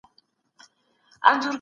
د سیاست په اړه مطالعه کول هوښیاري غواړي.